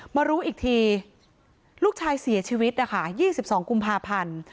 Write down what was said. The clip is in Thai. มารู้อีกทีลูกชายเสียชีวิตนะคะ๒๒กุมภาพันธ์